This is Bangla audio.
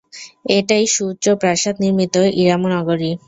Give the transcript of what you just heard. এটাই সুউচ্চ প্রাসাদ নির্মিত ইরাম নগরী।